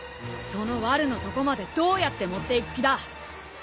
そのワルのとこまでどうやって持っていく気だ。